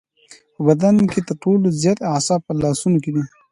په بدن کې تر ټولو زیات اعصاب په لاسونو کې دي.